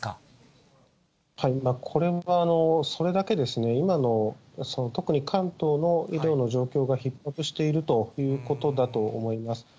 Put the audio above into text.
これは、それだけですね、今の、特に関東の医療の状況がひっ迫しているということだと思います。